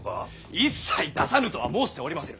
一切出さぬとは申しておりませぬ。